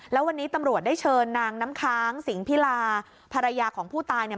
แล้ววันนี้ตำรวจได้เชิญนางน้ำค้างสิงพิลาภรรยาของผู้ตายเนี่ย